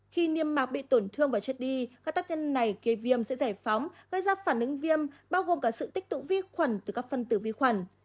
khi niêm mạc bị tổn thương và chất đi các tác nhân này kê viêm sẽ giải phóng gây ra phản ứng viêm bao gồm cả sự tích tụ vi khuẩn từ các phân tử vi khuẩn